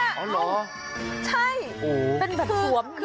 อ๋อเหรอโอ้โหเป็นแบบสวม